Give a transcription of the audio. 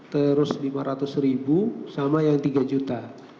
terus lima ratus ribu sama yang tiga juta